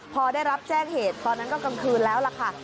พอได้รับแจ้งเหตุตอนนั้นก็กลางคืนแล้วล่ะค่ะ